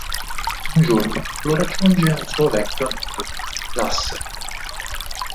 Un giorno lo raggiunge un suo vecchio amico, Lasse.